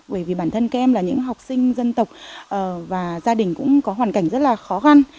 bởi vì bản thân các em là những học sinh dân tộc và gia đình cũng có hoàn cảnh rất là khó khăn